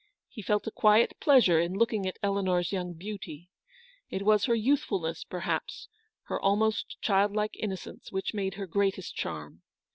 He felt a quiet pleasure in looking at Eleanor's young beauty. It was her youthfulness, perhaps, her almost childlike innocence, which made her greatest charm.